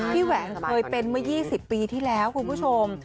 แหวนเคยเป็นเมื่อ๒๐ปีที่แล้วคุณผู้ชม